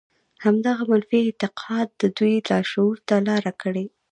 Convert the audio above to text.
همدغه منفي اعتقاد د دوی لاشعور ته لاره کړې.